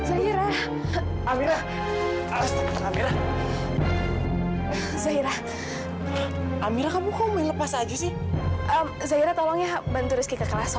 amira amira amira amira amira kamu lepas aja sih zaira tolong ya bantu rizky kelas